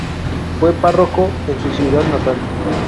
Fue párroco en su ciudad natal.